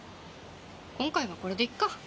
今回はこれでいっか‥